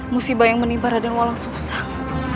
musibah yang menibah raden walang sungsang